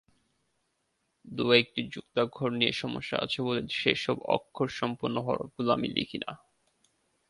দু-একটি যুক্তাক্ষর নিয়ে সমস্যা আছে বলে সেসব অক্ষরসম্পন্ন হরফগুলো আমি লিখি না।